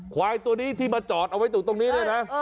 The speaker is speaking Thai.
ควายตัวนี้ที่มาจอดเอาไว้ตรงนี้เลยนะ